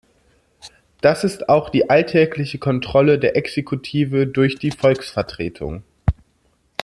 Das ist auch die alltägliche Kontrolle der Exekutive durch die Volksvertretung.